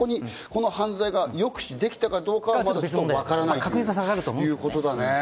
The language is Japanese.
この犯罪を抑止できたかどうかは、まだわからないけれども、ということだね。